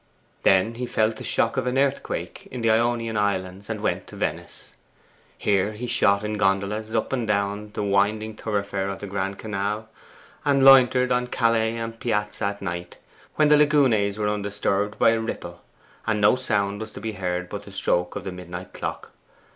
Then he felt the shock of an earthquake in the Ionian Islands, and went to Venice. Here he shot in gondolas up and down the winding thoroughfare of the Grand Canal, and loitered on calle and piazza at night, when the lagunes were undisturbed by a ripple, and no sound was to be heard but the stroke of the midnight clock.